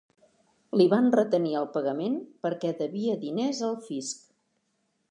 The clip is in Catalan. Li van retenir el pagament perquè devia diners al fisc.